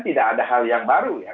tidak ada hal yang baru ya